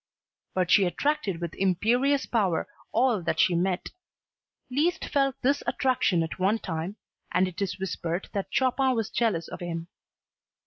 But she attracted with imperious power all that she met. Liszt felt this attraction at one time and it is whispered that Chopin was jealous of him.